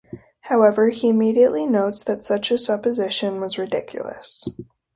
However, he immediately notes that such a supposition was ridiculous.